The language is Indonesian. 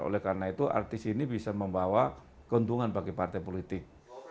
oleh karena itu artis ini bisa membawa keuntungan bagi partai politik